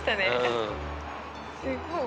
すごい。